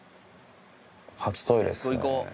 初トイレっすね。